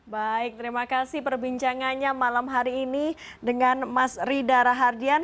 baik terima kasih perbincangannya malam hari ini dengan mas rida rahardian